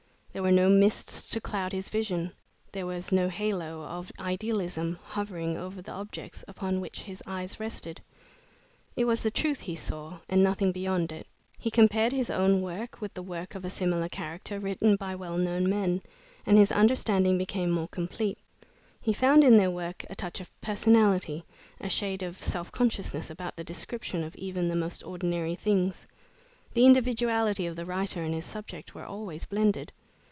There were no mists to cloud his vision, there was no halo of idealism hovering around the objects upon which his eyes rested. It was the truth he saw, and nothing beyond it. He compared his own work with work of a similar character written by well known men, and his understanding became more complete. He found in their work a touch of personality, a shade of self consciousness about the description of even the most ordinary things. The individuality of the writer and his subject were always blended.